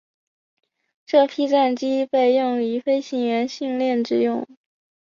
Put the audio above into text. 这批战机被用于飞行员训练之用。